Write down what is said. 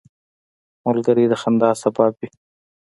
ملګری د خندا سبب وي